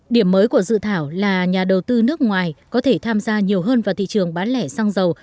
điểm mới của dự thảo là nhà đầu tư nước ngoài có thể tham gia nhiều hơn vào thị trường bán lẻ xăng dầu